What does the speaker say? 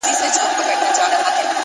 پرمختګ د کوچنیو ګامونو ټولګه ده!